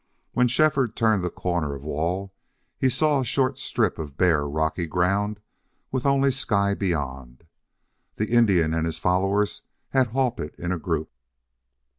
When Shefford turned the corner of wall he saw a short strip of bare, rocky ground with only sky beyond. The Indian and his followers had halted in a group.